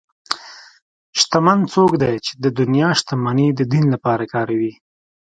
شتمن څوک دی چې د دنیا شتمني د دین لپاره کاروي.